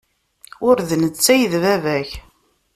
Ur d netta ay d baba-k.